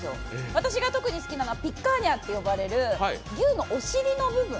私が特に好きなのはピッカーニャと呼ばれる牛のお尻の部分。